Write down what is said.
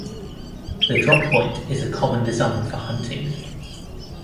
The drop point is a common design for hunting.